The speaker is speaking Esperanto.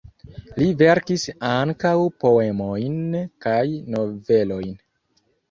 Li verkis ankaŭ poemojn kaj novelojn.